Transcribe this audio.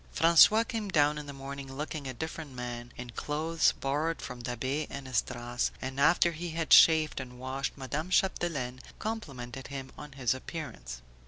François came down in the morning looking a different man, in clothes borrowed from Da'Be and Esdras, and after he had shaved and washed Madame Chapdelaine complimented him on his appearance.